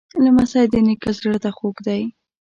لمسی د نیکه زړه ته خوږ دی.